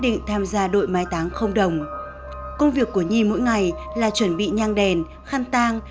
định tham gia đội mái táng không đồng công việc của nhi mỗi ngày là chuẩn bị nhang đèn khăn tang